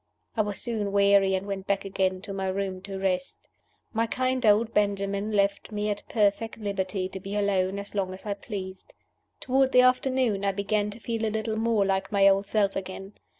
I was soon weary, and went back again to my room to rest. My kind old Benjamin left me at perfect liberty to be alone as long as I pleased. Toward the afternoon I began to feel a little more like my old self again.